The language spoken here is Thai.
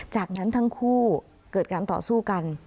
จากนั้นทั้งคู่เกิดการต่อสู้กัน